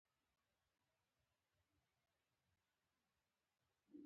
د غزني په ده یک کې د څه شي نښې دي؟